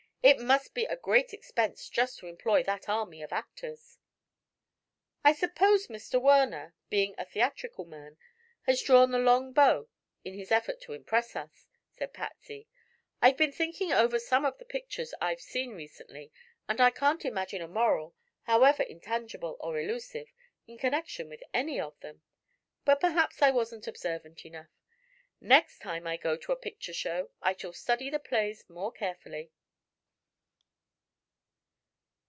"It must be a great expense just to employ that army of actors." "I suppose Mr. Werner, being a theatrical man, has drawn the long bow in his effort to impress us," said Patsy. "I've been thinking over some of the pictures I've seen recently and I can't imagine a moral, however intangible or illusive, in connection with any of them. But perhaps I wasn't observant enough. The next time I go to a picture show I shall study the plays more carefully."